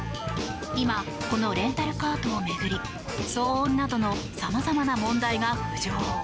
今、このレンタルカートを巡り騒音などの様々な問題が浮上。